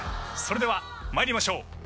それでは参りましょう。